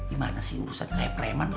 gimana sih urusan repremen lu